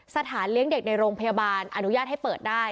สถานเลี้ยงเด็กในโรงพยาบาลอนุญาตให้เปิดได้